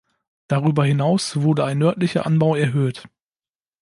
Darüber hinaus wurde ein nördlicher Anbau erhöht.